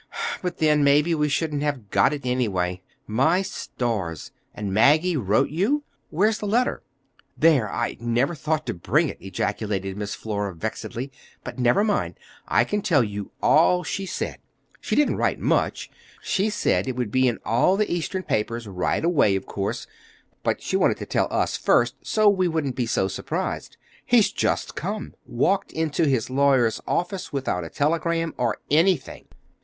But, then, maybe we wouldn't have got it, anyway. My stars! And Maggie wrote you? Where's the letter?" "There! And I never thought to bring it," ejaculated Miss Flora vexedly. "But, never mind! I can tell you all she said. She didn't write much. She said it would be in all the Eastern papers right away, of course, but she wanted to tell us first, so we wouldn't be so surprised. He's just come. Walked into his lawyer's office without a telegram, or anything.